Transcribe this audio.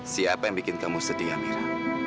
siapa yang membuat kamu sedih amira